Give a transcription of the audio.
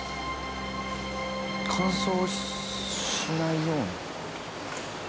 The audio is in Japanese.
乾燥しないように。